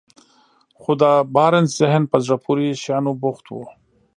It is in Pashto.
خو د بارنس ذهن په زړه پورې شيانو بوخت و.